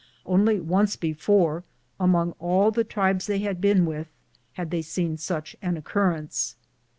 Only once before, among all the tribes they had been with, had they seen such an occurrence.